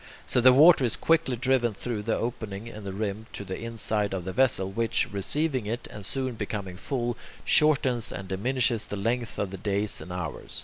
So the water is quickly driven through the opening in the rim to the inside of the vessel, which, receiving it and soon becoming full, shortens and diminishes the length of the days and hours.